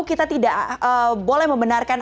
kita tidak boleh membenarkan